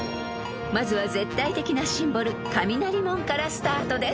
［まずは絶対的なシンボル雷門からスタートです］